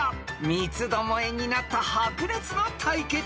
［三つどもえになった白熱の対決］